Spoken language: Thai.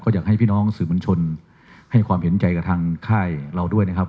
อยากให้พี่น้องสื่อมวลชนให้ความเห็นใจกับทางค่ายเราด้วยนะครับ